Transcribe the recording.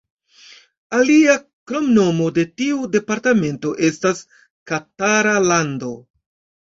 Alia kromnomo de tiu departemento estas Katara Lando.